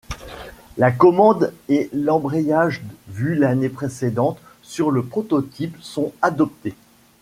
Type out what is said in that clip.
La commande et l’embrayage vu l’année précédente sur le prototype sont adoptés.